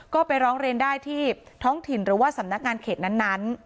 ก็ไปร้องเรียนได้ที่ท้องถิ่นหรือว่าสำนักงานเขตนั้น